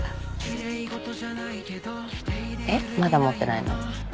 えっまだ持ってないの？